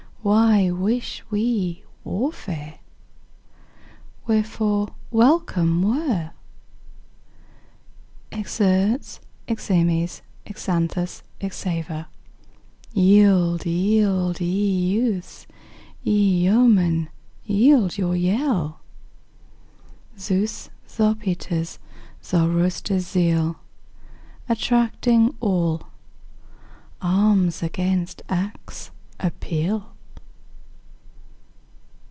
Why wish we warfare? Wherefore welcome were Xerxes, Ximenes, Xanthus, Xavier? Yield, yield, ye youths! ye yeomen, yield your yell! Zeus', Zarpater's, Zoroaster's zeal, Attracting all, arms against acts appeal!